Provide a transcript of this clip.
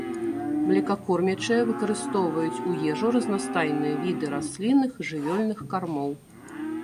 Млекакормячыя выкарыстоўваюць у ежу разнастайныя віды раслінных і жывёльных кармоў.